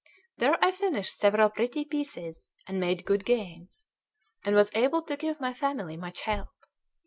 There I finished several pretty pieces, and made good gains, and was able to give my family much help.